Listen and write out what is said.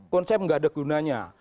konsep gak ada gunanya